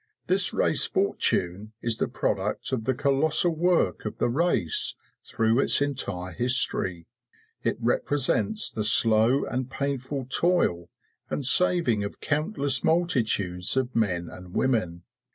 This race fortune is the product of the colossal work of the race through its entire history; it represents the slow and painful toil and saving of countless multitudes of men and women.